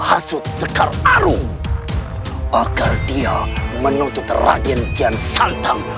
agar dia menuntut raden kian santang